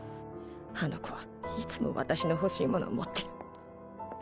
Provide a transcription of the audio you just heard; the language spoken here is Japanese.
あの子はいつも私の欲しいものを持ってる。